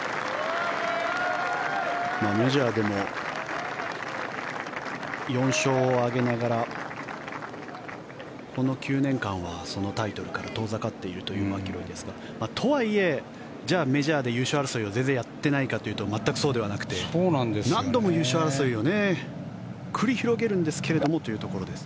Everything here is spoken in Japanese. メジャーでも４勝を挙げながらこの９年間はそのタイトルから遠ざかっているというマキロイですがとはいえ、じゃあメジャーで優勝争いをやってないかというと全くそうではなくて何度も優勝争いを繰り広げるんですけれどもというところです。